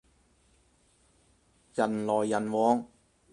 人來人往